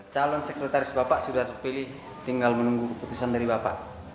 calon sekretaris bapak sudah terpilih tinggal menunggu keputusan dari bapak